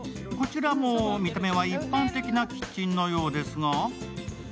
こちらも見た目は一般的なキッチンのようですが。